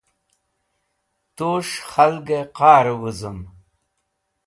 Tus̃h khalgẽ qarẽ wũzũm.